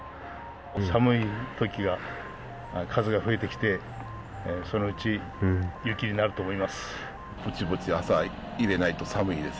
寒いときが、数が増えてきて、そのうち雪になると思います。